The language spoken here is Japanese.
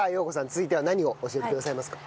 続いては何を教えてくださいますか？